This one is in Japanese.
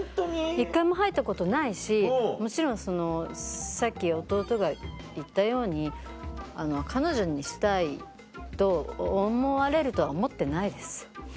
１回も入ったことないしもちろんさっき弟が言ったように彼女にしたいと思われるとは思ってないです。